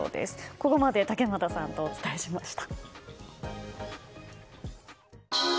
ここまで竹俣さんとお伝えしました。